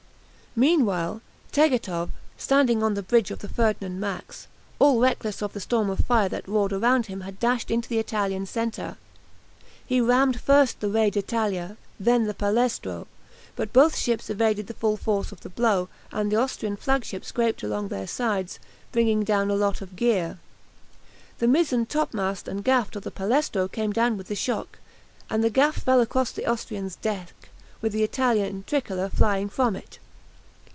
Meanwhile Tegethoff, standing on the bridge of the "Ferdinand Max," all reckless of the storm of fire that roared around him had dashed into the Italian centre. He rammed first the "Re d'Italia," then the "Palestro," but both ships evaded the full force of the blow, and the Austrian flagship scraped along their sides, bringing down a lot of gear. The mizzen topmast and gaff of the "Palestro" came down with the shock, and the gaff fell across the Austrian's deck, with the Italian tricolour flying from it.